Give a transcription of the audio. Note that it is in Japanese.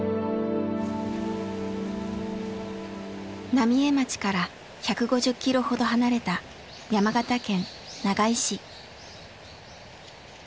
浪江町から１５０キロほど離れた山形県長井市。